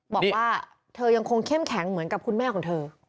บอกว่าเธอยังคงเข้มแข็งเหมือนกับคุณแม่ของเธอ